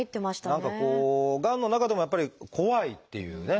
何かこうがんの中でもやっぱり怖いっていうね